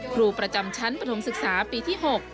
ครูประจำชั้นปฐมศึกษาปีที่๖